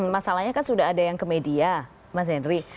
masalahnya kan sudah ada yang ke media mas henry